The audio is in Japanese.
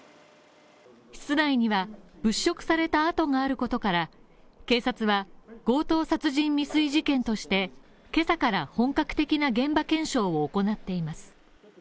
室内には物色された跡があることから、警察は強盗殺人未遂事件として、今朝から本格的な現場検証を行っています。